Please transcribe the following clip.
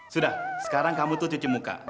sudah sekarang kamu tuh cuci muka